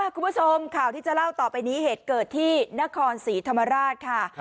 คุณผู้ชมข่าวที่จะเล่าต่อไปนี้เหตุเกิดที่นครศรีธรรมราชค่ะ